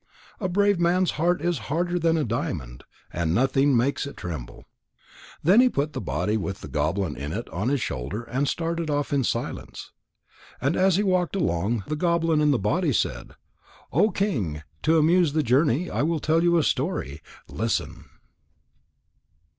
A brave man's heart is harder than a diamond, and nothing makes it tremble. Then he put the body with the goblin in it on his shoulder, and started off in silence. And as he walked along, the goblin in the body said: "O King, to amuse the journey, I will tell you a story. Listen."